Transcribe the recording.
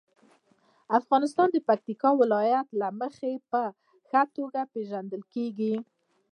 افغانستان د پکتیکا د ولایت له مخې په ښه توګه پېژندل کېږي.